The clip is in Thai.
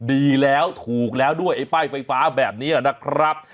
ดีแล้วถูกแล้วด้วยไอ้ป้ายไฟฟ้าแบบนี้นะครับ